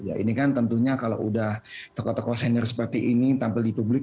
ya ini kan tentunya kalau udah tokoh tokoh senior seperti ini tampil di publik